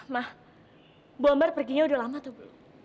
ma bu ambar perginya udah lama tuh belum